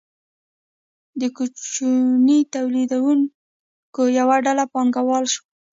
د کوچنیو تولیدونکو یوه ډله پانګواله شوه.